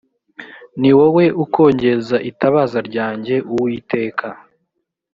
ni wowe ukongeza itabaza ryanjye uwiteka